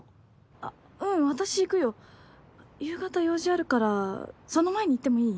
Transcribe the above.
あっううん私行くよ夕方用事あるからその前に行ってもいい？